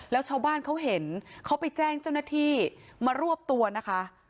แล้วชาวบ้านเขาเห็นเขาไปแจ้งเจ้าหน้าที่มารวบตัวนะคะ